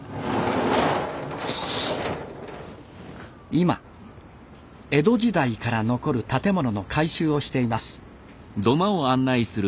今江戸時代から残る建物の改修をしています。